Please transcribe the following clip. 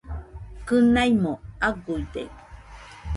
Kɨnaimo aguide